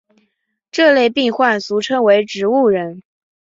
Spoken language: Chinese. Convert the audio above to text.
这类病患俗称为植物人。